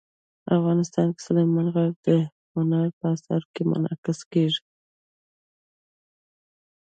افغانستان کې سلیمان غر د هنر په اثارو کې منعکس کېږي.